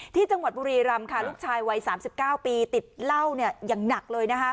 ที่จังหวัดบุรีรำค่ะลูกชายวัย๓๙ปีติดเหล้าอย่างหนักเลยนะคะ